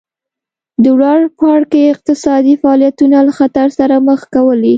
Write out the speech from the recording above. د لوړ پاړکي اقتصادي فعالیتونه له خطر سره مخ کولې